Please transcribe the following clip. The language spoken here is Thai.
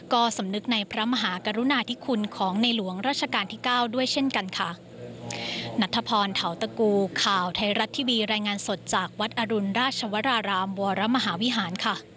ก็สำนึกในพระมหากรุณาที่คุณของในหลวงราชกาลที่๙ด้วยเช่นกันค่ะ